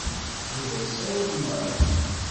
Yuba yessawel i Mary.